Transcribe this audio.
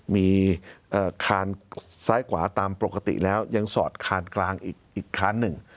มีคานซ้ายกว่าตามปกติแล้วยังสอดคานกลางอีกคันหนึ่ง